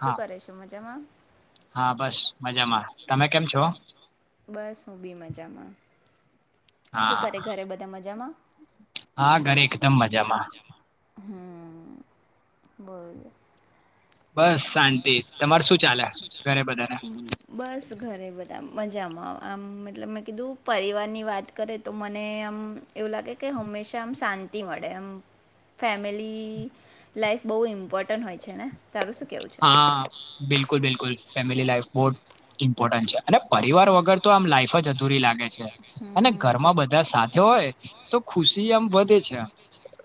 હા હા બસ મજામાં તમે કેમ છો. બસ હું બી મજામાં શું કરે ઘરે બધા મજામાં. હા ઘરે એકદમ મજામાં. હમ બો બસ શાંતિ તમાર શું ચાલે ઘરે બધાને મજામાં આમ મતલબ મેં કીધું પરિવારની વાત કરે તો મને આમ એવું લાગે કે હંમેશા આમ શાંતિ મળે એમ ફેમિલી લાઈફ બહુ ઇમ્પોર્ટન્ટ હોય છે ને તારું શું કેવું છે. હા બિલકુલ બિલકુલ ફેમિલી લાઈફ બહુ ઈમ્પોર્ટન્ટ છે અને પરિવાર વગર તો આમ લાઈફ જ અધૂરી લાગે છે. અને ઘરમાં બધા સાથે હોય તો. ખુશી આમ વધે છે આમ.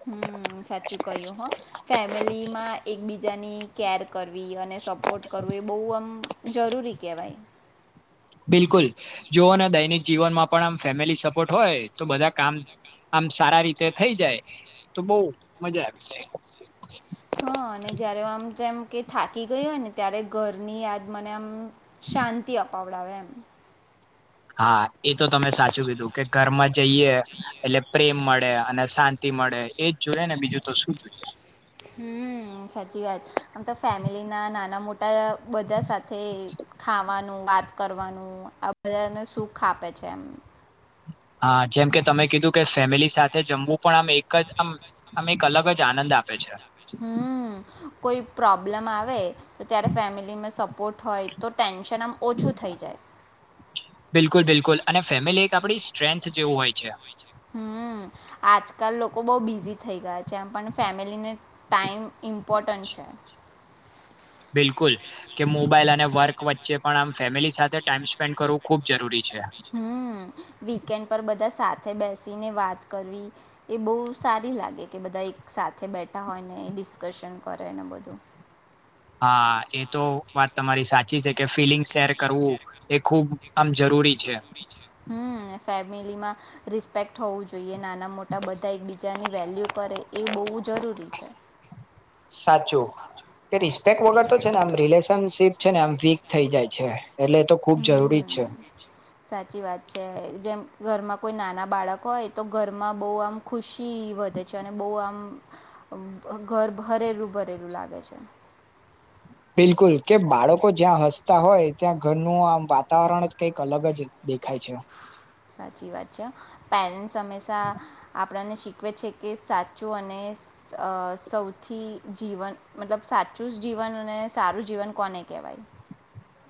હમ સાચું કહ્યું હ ફેમિલી માં એકબીજાની કેર કર અને સપોર્ટ કરવું એ બહુ આમ. જરૂરી કહેવાય. બિલકુલ જોઓના દૈનિક જીવનમાં પણ આમ ફેમિલી સપોર્ટ હોય તો બધા કામ આમ સારા રીતે થઈ જાય તો બહ મજા આવી જાય. હા અને જયારે આમ તેમમ કે થાકી ગયું હોય ને ત્યારે ઘરની યાદ મને આમ શાંતિ અપાવડાવે એમ. હા એ તો તમે સાચું કીધું કે ઘરમાં જ જઈએ એટલે પ્રેમ મળે અને શાંતિ મળે એજ જોયે ને બીજું તો શું જોઈએ? હમ સાચી વાત આમ તો ફેમિલી ના નાના મોટા બધા સાથે ખાવાનું વાત વાત કરવાનું આ બધાને સુખ આપે છે એમ. હા જેમ કે તમે કીધું કે ફેમિલી સાથે જમવું. પણ આમ એક જ આમ અમ એક અલગ જ આનંદ આપે છે. હમ કોઈ પ્રોબ્લમ આવે તો ત્યારે ફેમિલીમાં સપોર્ટ હોય તો ટેન્ બિલકુલ બિલકુલ અને ફેમિલી એક આપડી સ્ટ્રેન્થ જેવું હોય છે. હઅ આજ બિલકુલ કે મોબાઈલ અને વર્ક વચ્ચે પણ આમ ફેમિલી સાથે ટાઈમ સ્પેન્ડ કરવું ખુબ જરૂરી છે હમ, વીકેન્ડ પર બધા સાથે બેસીને વાત કરવી એ બહુ સારી લાગે કે બધા એક સાથે બેઠા હોય ને ડિસ્કશન કરેને એ બધું હા, એ તો વાત તમારી સાચી છે, કે ફિલિંગ શેર કરવું એ ખૂબ આમ જરૂરી છે હમ, ફેમિલી માં રિસ્પેક્ટ હોવું જોઈએ નાના, મોટા, બધા એકબીજાની વેલ્યુ કરે એવું બહુ જરૂરી છે છે ને આમ વીક થઈ જાય છે હમ, સાચી વાત છે જેમ ઘરમાં કોઈ નાના બાળક હોય તો ઘરમાં બહુ આમ ખુશી વધે છે અને બહુ આમ ઘર ભરેલું, ભરેલું લાગે છે બિલકુલ, કે બાળકો જ્યાં હસતા હોય ત્યાં ઘરનું આમ વાતાવરણ જ કંઈક અલગ જ દેખાય છે સાચી વાત છે, પેરેન્ટસ હંમેશા આપ આપણને શીખવે છે કે, સાચું અને સૌથી જીવન મતલબ સાચું જ જીવન અને સારું જીવન કોને કહેવાય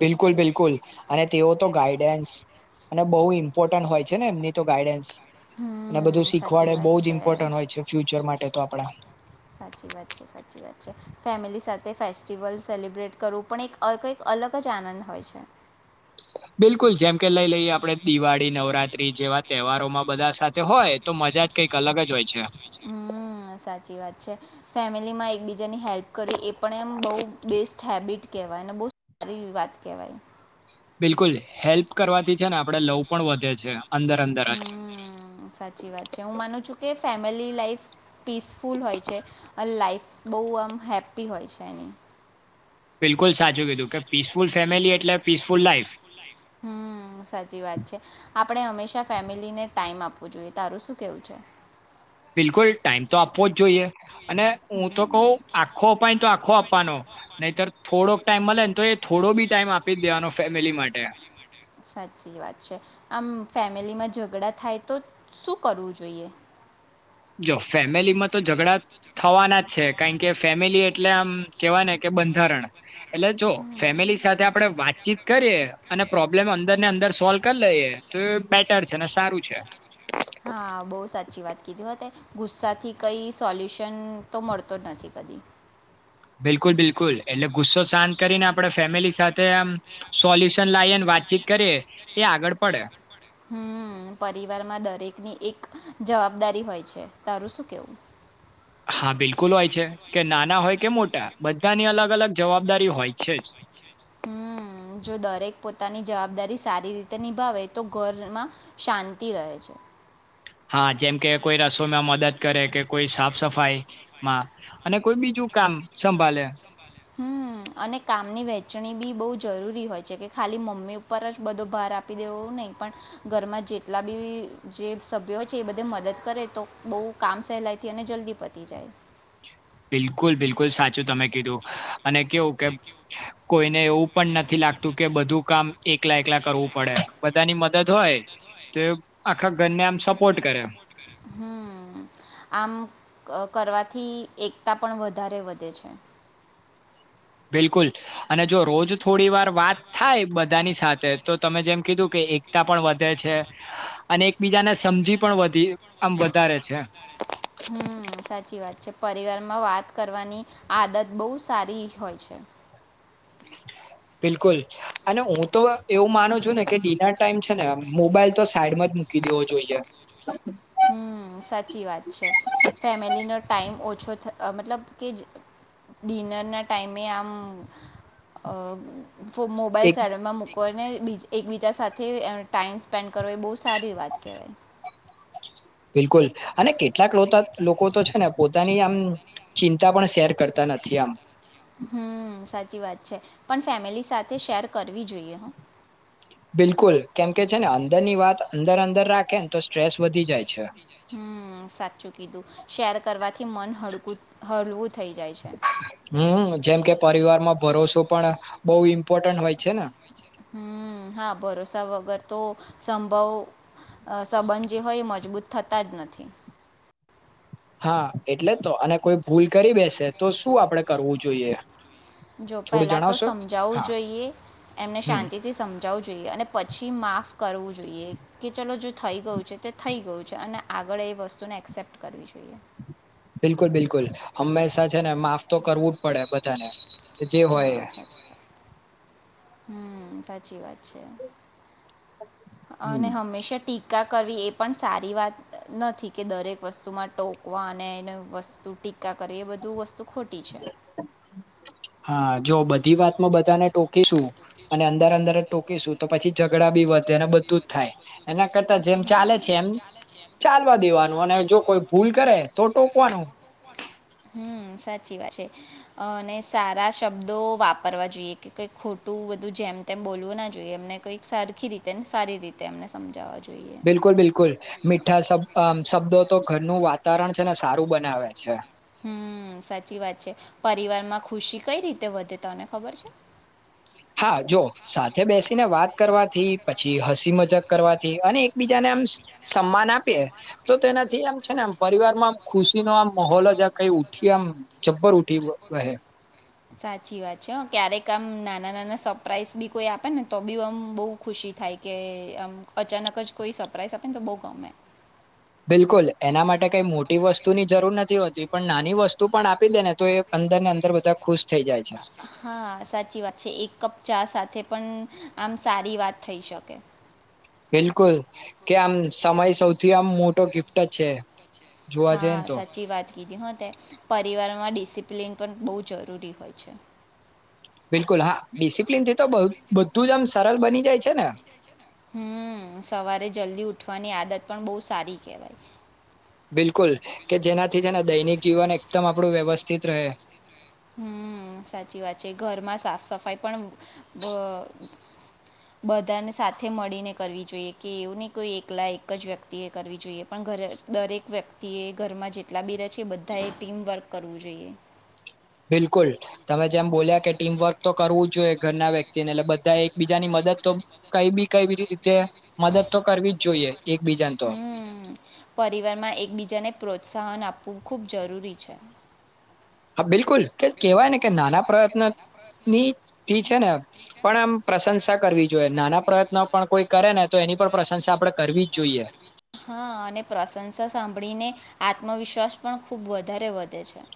બિલકુલ, બિલકુલ અને તેઓ તો ગાઈડ અને બહુ ઇમ્પોર્ટન્ટ હોય છે ને એમની તો ગાઈડન્સ અને બધું શીખવાડે બહુ જ ઇમ્પોર્ટન્ટ હોય છે ફ્યુચર માટે તો આપડા ફેમિલી સાથે ફેસ્ટિવલ સેલિબ્રેટ કરવું પણ એક અલગ જ આનંદ હોય છે. બિલકુલ જેમ કે લઈ લઈએ આપડે દિવાળી નવરાત્રી જેવા તહેવારો એમાં બધા સાથે હોય તો મજા જ કંઈક અલગ જ હોય છે. કેવાય અનેને બહુ સારી વાત કહેવાય. બિલકુલ હેલ્પ કરવાથી છે ને આપડે લવ પણ વધે છે. હમ સાચી વાત છે હું માનું છું કે ફેમિલી લાઈઇફ પીસફુલ હોય છે અને લાઈફ બહુ આમ હેપ્પી હોય છે એની. બિલકુલ સાચું કીધું કે peaceful family at peaceful life હમ સાચી વાત છે આપ આપણે હંમેશા ફેમિલીને ટાઈમ આપવો જોઈએ તારું શું કેવું છે. બિલકુલ ટાઈમ તો આપવો જ જોઈએ અને હું તો કહું આખો અપાય તો આખો આપવાનો નહીતર થોડોક ટાઈમ લે ને તો એ થોડો બી ટાઈમ આપી દેવાનો ફેમિલી માટે. સાચી વાત છે આમ ફેમિલીમાં ઝઘડા થાય તો શું કરવું જોઈએ. જો ફેમિલીમાં તો ઝઘડા થવાના જ છે કારણ કે ફેમિલી એટલે આમ કેવાય ને કે બંધારણ એટલે જો ફેમિલી સાથે આપડે વાતચીત કરીએ અને પ્રોબ્લેમ અંદરને અંદર સોલ્વ કરી લઈએ તો છે ને સારું છે. હા બહુ સાચી વાત કીધી હોતે. ગુસ્સાથી કંઈ સોલ્યુશન તો મળતો જ નથી કદી. બિલકલ બિલકુલ. બુલ એટલે ગુસ્સો શાંત કરીને આપે ફેમિલી સાથેમ સોલ્યુશન લાવએ વાતચીત કરીએ એ આગળ પડે. હમ પરિવારમાં દરેકની એક જવાબદારી હોય છે તારું શું કેવું. હા બિલકુલ હોય છે કે નાના હોય. કે મોટા બધાની અલગ અલગ જવાબદારી હોય છે જ. હમ જો દરેક પોતાની જવાબદારી સારી રીતે નિભાવે તો ઘરમાં શાંતિ રહે છે. હા જેમ કે કોઈ રસોઈમાં મદદ કરે કે કોઈ સાફ સફાઈ ભાઈ માં અને કોઈ બીજું કામ સંભાલે હમ અને કામની વહેચણી બી બહુ જરૂરી હોય છે કે ખાલી મમ્મી ઉપર જ બધો ભાર આપી દેવો નહીિ પણ ઘરમાં જેટલા બી જે સભ્યો હોય છે એ બધે મદદ કરે તો બહુ કામ સહેલાયથી અને જલ્દી પતી જાય. બિલકુલ બિલકુલ સાચું તમે કીધું અને કેવું કે કોઈને એવું પણ નથી લાગતું કે બધું કામ એકલા એકલા કરવું પડે બધાની મદદ હોય તો આખા ઘરને આમ સપોર્ટ કરે. હમ આમ કરવાથી એકતા પણ વધારે વધે છે. બિલકુલ અને જો રોજ થોડી વાર વાત થાય બધાની સાથે તો તમે જેમ કીધું કે એકતા પણ વધે છે અને એકબીજાને સમજી પણ વધી આમ વધારે છે. હમ સાચી વાત છે પરિવારમાં વાત કરવાની આદત બહુ સારી હોય છે. બિલકુલ અને હું તો એવું માનું છું ને કે ડિનર ટાઈમ છે ને મોબાઈલ તો સાઈડ માં જ મૂકી દેવો જોઈએ. હમ સાચી વાત છે, ફેમિલી નો ટાઈમ ઓ ઓછો મતલબ કે ડિનરના ટાઈમે આમ અ ફોન, મોબાઈલ શાળામાં મૂકો અને એકબીજા સાથે ટાઈમ સ્પેન્ડ કરો એ બહુ સારી વાત કહેવાય બિલકુલ, અને કેટલાક લોકો તો છે ને પોતાની આમ ચિંતા પણ શેર કરતા નથી આમ હમ સાચી વાત છે, પણ ફેમિલી સાથે શેર કરવી જોઈએ હ બિલકુલ કેમ કે છે ને અંદરની વાત અંદર અંદર રાખે ને તો સ્ટ્રેસ વધી જાય છે. હમસાચું કીધું શેર કરવાથી મન હળકું હળવું હમ જેમ કે પરિવારમાં ભરોસો પણ બઉ ઇ્પ ઇમ્પોર્ટન્ટ હોય છે ને. હમ્મ હા ભરોસા વગર તો સંભવ અ સંબંધ જે હોય મજબૂત થતા જ નથી. હા એટલે તો અને કોઈ ભૂલ કરી બેસે તો શું આપડે કરવું જોઈએ. જો પહેલા તો સમજાવું જોઈએ એમને શાંતિ થી સમજાવું જોઈ જોઈએ અને પછી માફ કરવું જોઈએ કે ચલો જે થઈ ગયું છે તે થઈ ગયું છે અને આગળ એ વસ્તુને એક્સેપ્ટ કરવી જોઈએ બિલકુલ બિલકુલ હંમેશા છે ને માફ તો કરવું જ પડે પર. [inaudible] હા હમ્મ. સાચી વાત સાચી વાત. અને હંમેશા ટીકા કરવી એ પણ સારી વાત નથી કે દરેક વસ્તુમાં ટોકવા અને એ વસ્તુ ટીકા કરવી એ બધું વસ્તુ ખોટી છે. હા જો બધી વાતમાં બધાને ટોકીશું અને અંદર અંદર જ ટોકીશું તો પછી ઝઘડા બી વધે અને બધું જ થાય. હમ્મ સાચી વાત છે. અને સારા શબ્દો વાપરવા જોઈએ કે કઈક ખોટું બધું જેમ તેમ બોલવું ના જોઈએ એમને કઈક સરખી રીતે સારી રીતે એમને સમજાવવા જોઈએ. બિલકુલ બિલકુલ મીઠા શબ શબ્દો તો ઘરનું વાતાવરણ છેને સારું બનાવે છે. હમ્મ સાચી વાત છે પરિવાર માં ખુશી કઈ રીતે વધે તને ખબર છે. હા જો સાથે બેસીને વાત કરવાથી પછી હસી મજક કરવાથી અને એક બી જા આમ સન્માન આપીએે તો તેનાથી આમ છે ને આમ પરિવાર માં આમ ખુશીનોો આમ માહોલ જ કઈ ઉઠી આમ જબ્બર ઉઠી વ સાચી વાત છે ક્યારેક આમ નાના નાના સરપ્રાાઈઝ બી કોઈ આપે ને તો બી આમ બહુ ખુશી થાય કે આમ અચાનક જ કોઈ સરપ્રાઈઝ આપે ને તો બહ ગમે. બિલકુલ એના માટે કઈ મોટી વસ્તુ ની જરૂર નથી હોતી પણ નાની વસ્તુ પણ આપી દે ને તો એ અંદર ને અંદર બધા ખુશ થઈ જાય છે. હા સાચી વાત છે એક કપ ચા સાથે પણ આમ સારી વાત થઈ શકે. બિલકુલ કે આમ સમય સૌથી આમ મોટો ગિફ્ટ જ છે. હા સાચી વાત કીધી હ ત પરિવારમાં ડિસ સ્પ્લિન પણ બહુ જરૂરી હોય છે. બિલકુલ હા ડિસિપ્લિન થી તો બધું જ આમ સરળ જાય છે ને. હમ, સવારે જલ્દી ઉઠ ઉઠવાની આદત પણ બહુ સારી કહેવાય બિલકુલ, કે જેનાથી છે ને દૈનિક જીવન એકદમ આપડું વ્યવસ્થિત રહે હમ સાચી વાત છે, ઘરમાં સાફ સફાઈ પણ બધાને સાથે મળીને કરવી જોઈએ કે એવું નહી કોઈ એકલા એક જ વ્યક્તિ એ કરવી જોઈએ પણ ઘરે દરેક વ્યક્તિએ ઘરમાં જેટલા બી રહે છે બધા એ ટીમવર્ક કરવું જોઈએ બિલકુલ તમે જેમ બોલ્યા કે ટીમવર્ક તો કરવું જ જોઈએ ઘરના વ્યક્તિને એટલે બધા એક બીજા ની મદદ તો કઈ બી કઈ બી રીતે મદદ તો કરવી જ જોઈએ હમ, પરિવારમાં એકબીજાને પ્રોત્સાહન આપ ખૂબ, ખૂબ, જરૂરી છે હા, બિલકુલ બિલકુલ કે કેહેવાય ને કે નાના પ્રયત્ન ની છે ને પણ આમ પ્રશંસા કરવી જોઈએ નાના પ્રયત્નો પણ કોઈ કરે ને તો એની પણ પ્રશંસા આપડે કરવી જ જોઈએ. હા અને પ્રશંસા સાંભળીને આત્મવિશ્વાસ પણ ખૂબ વધારે વધે છે.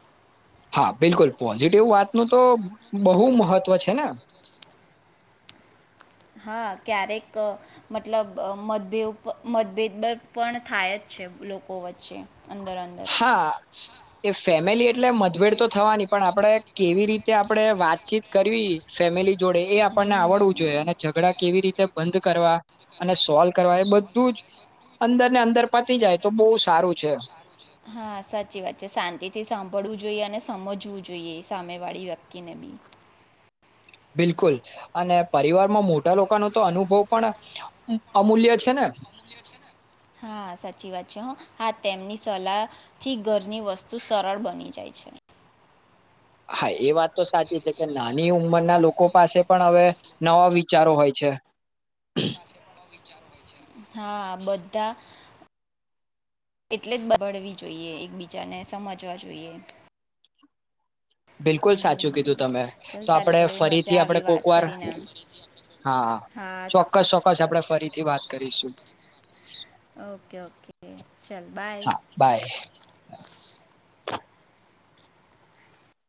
હા બિલકુલ પોઝિટિવ વાત ન તો બહુ મહત્વ છે ને. હા ક્યારેક કે મતલબ મતભેદ મતભેદ પણ થાય જ છે લોકો વચ્ચે. અંદર અંદર ફેમલી એટલે મતભેડ તો થવાની પણ આપડે કેવી રીતે આપણે વાતચીત કરવી ફેમિલી જોડે એ આપણને આવડવું જોઈએ અને ઝઘડા કેવી રીતે બંધ કરવા. અને સોલ્વ કરવા એ બધું જ અંદર ને અંદર પતી જાય તો બહુ સારું છે. હા સાચી વાત છે શાંતિ થી સાંભળવું જોઈએ અને સમજવું જોઈએ સામે વાળી વ્યક્તિને બી બિલકુલ અને પરિવારમાં મોટા લોકોનો તો અનુભવ પણ અમૂલ્ય છે ને. હા સાચી વાત છે હ હા તેમની સલાહ થી ઘરની વસ્તુ સરળ બની જાય છે. હા એ વાત તો સાચી છે કે નાની ઉંમરના લોકો પાસે પણ હવે નવા વિચારો હોય છે. હા બધા એટલે જ બબડવી જોઈએ એકબીજાને સમજવા જોઈએ. બિલકુલ સાચું કીધું તમે તો આપણે ફરીથી આપણે કોક વાર હા ચોક્કસ ચોક્કસ આપણે ફરીથી વાત કરીશું હા બાય.